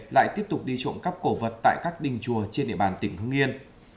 lại tiếp tục đi trộm cắp cổ vật tại các đình chùa trên địa bàn tỉnh hưng yên